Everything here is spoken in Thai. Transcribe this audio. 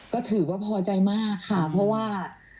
ก็ถือว่าพอใจมากค่ะเพราะว่า